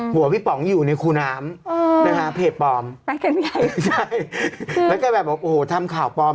หัวพี่ป๋องอยู่ในคูน้ำนะฮะเพจปลอม